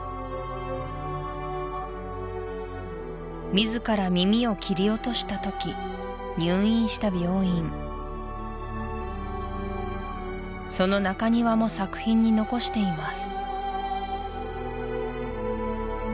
自ら耳を切り落とした時入院した病院その中庭も作品に残しています